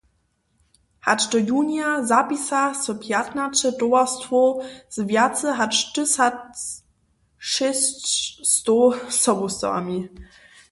Hač do junija zapisa so pjatnaće towarstwow z wjace hač tysacšěsćstow sobustawami.